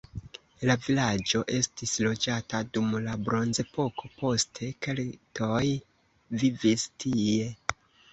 La vilaĝo estis loĝata dum la bronzepoko, poste keltoj vivis tie.